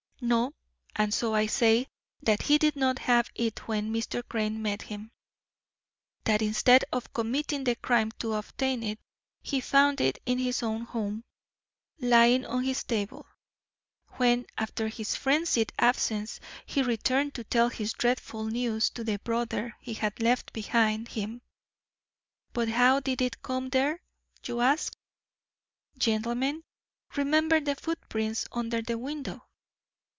No; and so I say that he did not have it when Mr. Crane met him. That, instead of committing crime to obtain it, he found it in his own home, lying on his table, when, after his frenzied absence, he returned to tell his dreadful news to the brother he had left behind him. But how did it come there? you ask. Gentlemen, remember the footprints under the window.